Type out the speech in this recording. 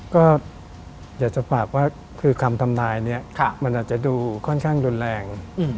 ก็อยากจะฝากว่าคือคำทำนายนี้มันอาจจะดูค่อนข้างรุนแรง